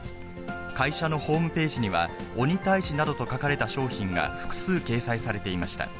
会社のホームページには、鬼退治などと書かれた商品が複数掲載されていました。